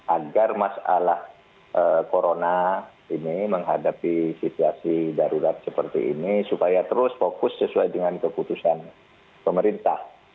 agar masalah corona ini menghadapi situasi darurat seperti ini supaya terus fokus sesuai dengan keputusan pemerintah